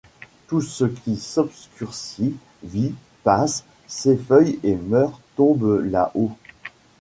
Tout ce qui s’obscurcit, vit, passe, S’effeuille et meurt, tombe là-haut.